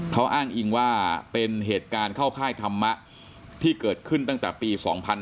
เขาอ้างอิงว่าเป็นเหตุการณ์เข้าค่ายธรรมะที่เกิดขึ้นตั้งแต่ปี๒๕๕๙